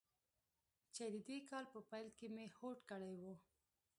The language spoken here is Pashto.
چې د دې کال په پیل کې مې هوډ کړی و.